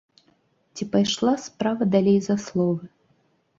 Ці пайшла справа далей за словы?